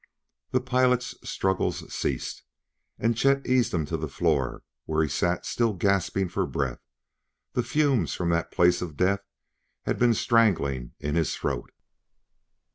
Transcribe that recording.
The pilot's struggles ceased, and Chet eased him to the floor where he sat still gasping for breath; the fumes from that place of death had been strangling in his throat.